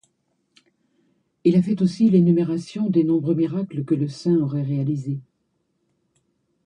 Il fait aussi l'énumération des nombreux miracles que le saint aurait réalisé.